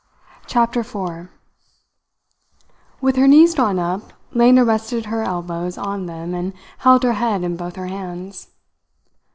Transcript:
CHAPTER FOUR With her knees drawn up, Lena rested her elbows on them and held her head in both her hands.